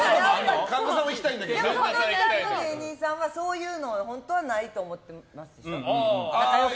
この時代の芸人さんはそういうのは本当はないと思ってます。